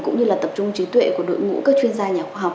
cũng như là tập trung trí tuệ của đội ngũ các chuyên gia nhà khoa học